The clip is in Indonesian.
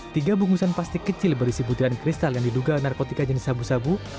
tiga bungkusan plastik kecil berisi butiran kristal yang diduga narkotika jenis sabu sabu